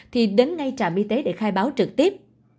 thì đến ngay trạm y tế để khai báo trực tiếp